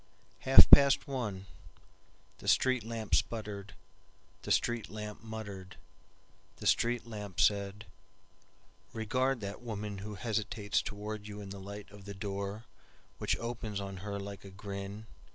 Half past one, The street lamp sputtered, The street lamp muttered, The street lamp said, "Regard that womanWho hesitates toward you in the light of the doorWhich opens on her like a grin.